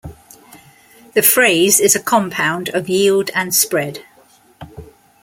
The phrase is a compound of yield and spread.